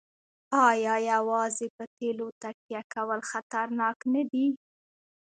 آیا یوازې په تیلو تکیه کول خطرناک نه دي؟